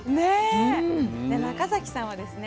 で中崎さんはですね